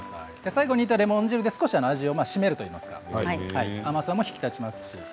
最後レモン汁で少し締めるといいますか甘さが引き立ちます。